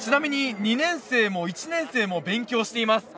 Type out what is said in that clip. ２年生も１年生も勉強しています。